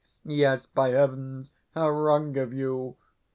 Yes, by heavens, how wrong of you!